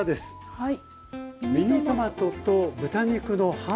はい。